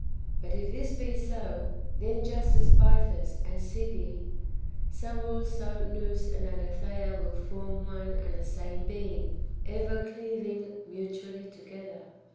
But if this be so, then just as Bythus and Sige, so also Nous and Aletheia will form one and the same being, ever cleaving mutually to gether.